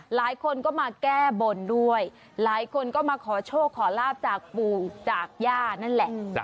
หลายคนก็มาแก้บนด้วยหลายคนก็มาขอโชคขอลาบจากปู่จากย่านั่นแหละ